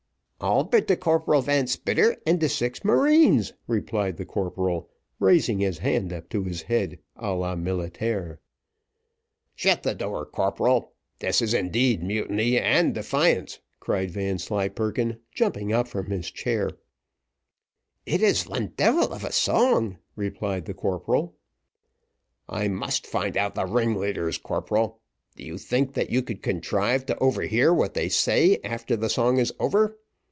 "All but de Corporal Van Spitter, and de six marines," replied the corporal, raising his hand up to his head a la militaire. "Shut the door, corporal. This is indeed mutiny and defiance," cried Vanslyperken, jumping up from his chair. "It is von tyfel of a song," replied the corporal. "I must find out the ringleaders, corporal; do you think that you could contrive to overhear what they say after the song is over?